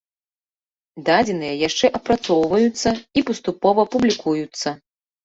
Дадзеныя яшчэ апрацоўваюцца і паступова публікуюцца.